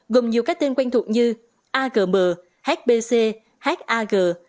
gồm nhiều cái tên quen thuộc như agm hbc hag